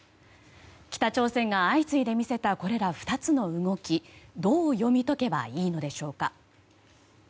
北朝鮮が相次いで見せたこれら２つの動きどう読み解けばいいのでしょうか。